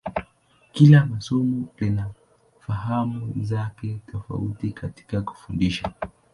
Kila somo lina fahamu zake tofauti katika kufundisha.